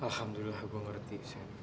alhamdulillah saya mengerti